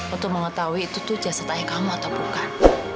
untuk mengetahui itu tuh jasad ayah kamu atau bukan